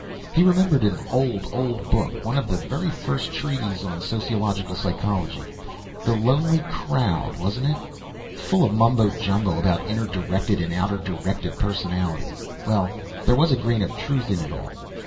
He remembered an old, old book one of the very first treatises on sociological psychology. The Lonely Crowd, wasn't it? Full of mumbo jumbo about "inner directed" and "outer directed" personalities. Well, there was a grain of truth in it all.